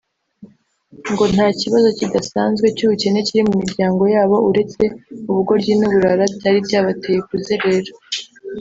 ngo nta kibazo kidasanzwe cy’ubukene kiri mu miryango yabo uretse “ubugoryi n’uburara” byari byabateye kuzerera